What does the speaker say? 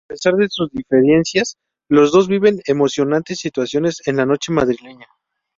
A pesar de sus diferencias, los dos viven emocionantes situaciones en la noche madrileña.